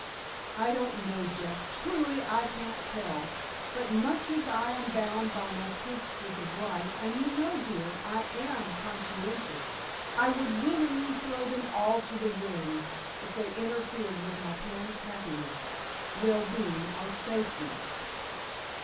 "I don't know, Jeff; truly, I can't tell. But much as I am bound by my principles of right, and you know, dear, I am conscientious, I would willingly throw them all to the winds if they interfered with my parents' happiness, well being or safety."